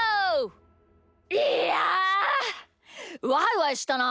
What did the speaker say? いやワイワイしたな！